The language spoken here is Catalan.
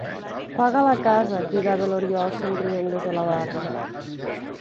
Paga la casa —cridava l'Oriol, somrient, des de la barra.